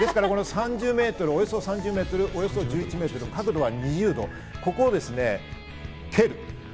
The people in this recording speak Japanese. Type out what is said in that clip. およそ３０ｍ、およそ１１ｍ、角度が２０度、ここで蹴る。